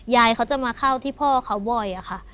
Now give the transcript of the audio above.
ยายเขาจะมาเข้าที่พ่อเขาบ่อยอะค่ะ